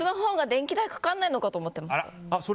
電気代かからないと思ってました。